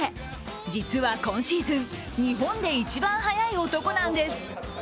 実は今シーズン、日本で一番速い男なんです。